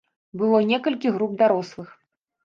Было некалькі груп дарослых.